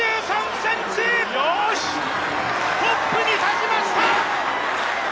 トップに立ちました！